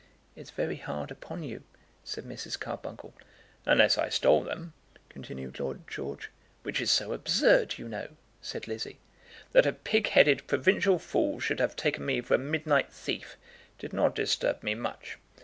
"It's very hard upon you," said Mrs. Carbuncle. "Unless I stole them," continued Lord George. "Which is so absurd, you know," said Lizzie. "That a pig headed provincial fool should have taken me for a midnight thief, did not disturb me much.